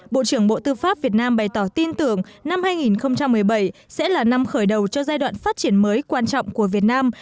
bộ trưởng bộ tư pháp việt nam bày tỏ tin tưởng năm hai nghìn một mươi bảy sẽ là năm khởi đầu cho giai đoạn phát triển mới quan trọng của việt nam